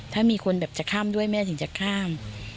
ถ้ามีคนแบบจะข้ามด้วยแม่ถึงจะข้าม